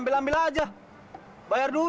cepetan gua masih ada